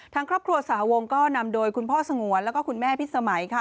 ทางครอบครัวสาวงก็นำโดยคุณพ่อสงวนแล้วก็คุณแม่พิษสมัยค่ะ